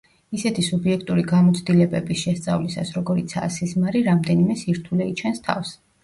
ისეთი სუბიექტური გამოცდილებების შესწავლისას, როგორიცაა სიზმარი, რამდენიმე სირთულე იჩენს თავს.